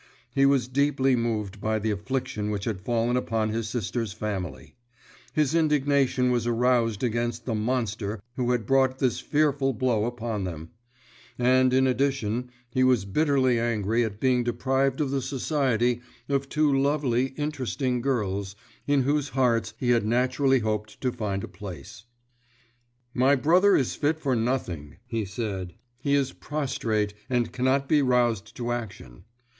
He was deeply moved by the affliction which had fallen upon his sister's family; his indignation was aroused against the monster who had brought this fearful blow upon them; and, in addition, he was bitterly angry at being deprived of the society of two lovely, interesting girls, in whose hearts he had naturally hoped to find a place. "My brother is fit for nothing," he said. "He is prostrate, and cannot be roused to action.